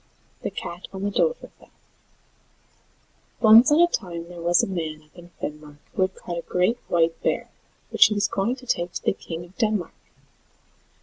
THE CAT ON THE DOVREFELL Once on a time there was a man up in Finnmark who had caught a great white bear, which he was going to take to the King of Denmark.